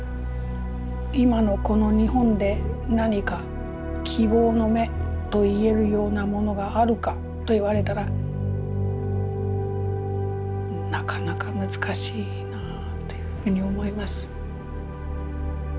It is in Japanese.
今のこの日本で何か希望の芽といえるようなものがあるかと言われたらなかなか難しいなというふうに思います。